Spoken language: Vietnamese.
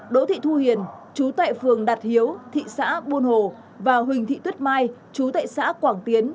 đỗ thị thu hiền chú tệ phường đạt hiếu thị xã buôn hồ và huỳnh thị tuyết mai chú tại xã quảng tiến